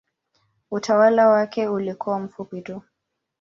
Utawala wake ulikuwa mfupi tu.